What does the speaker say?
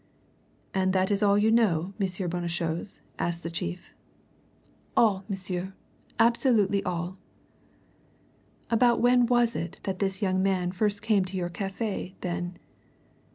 "And that is all you know, M. Bonnechose?" asked the chief. "All, monsieur, absolutely all!" "About when was it that this young man first came to your cafe, then?"